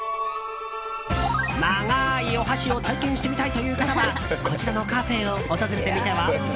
長いお箸を体験してみたいという方はこちらのカフェを訪れてみては？